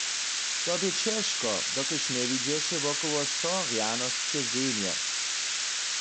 To bě ćežko, dokelž njewidźeše wokoło so rjanosće zemje.